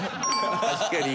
確かに。